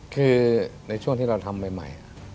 คือในช่วงที่เราทำใหม่